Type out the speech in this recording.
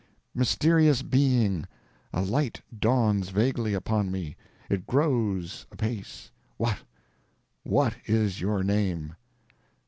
"Mysterious being, a light dawns vaguely upon me it grows apace what what is your name."